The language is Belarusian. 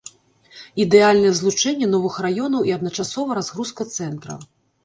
Ідэальнае злучэнне новых раёнаў і адначасова разгрузка цэнтра.